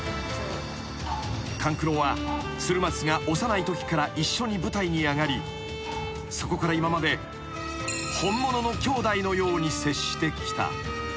［勘九郎は鶴松が幼いときから一緒に舞台に上がりそこから今まで本物の兄弟のように接してきた］